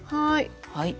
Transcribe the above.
はい。